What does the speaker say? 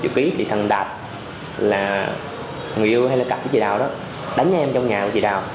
bữa tối hôm sau